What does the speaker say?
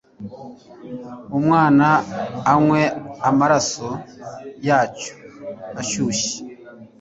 umwana anywe amaraso yacyo ashyushye